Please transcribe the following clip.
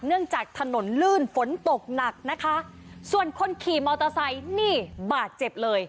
จากถนนลื่นฝนตกหนักนะคะส่วนคนขี่มอเตอร์ไซค์นี่บาดเจ็บเลย